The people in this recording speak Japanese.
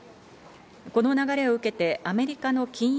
この流れを受けてアメリカの金融